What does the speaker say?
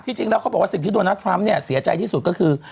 จริงแล้วเขาบอกว่าสิ่งที่โดนัททรัมป์เนี่ยเสียใจที่สุดก็คือ